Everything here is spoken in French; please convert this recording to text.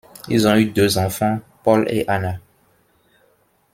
Ils ont eu deux enfants, Paul et Anna.